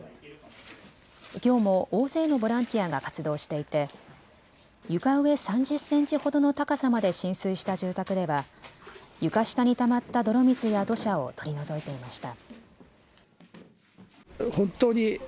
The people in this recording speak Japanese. きょうも大勢のボランティアが活動していて床上３０センチほどの高さまで浸水した住宅では床下にたまった泥水や土砂を取り除いていました。